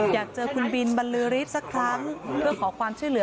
อยากเจอคุณบินบรรลือฤทธิ์สักครั้งเพื่อขอความช่วยเหลือ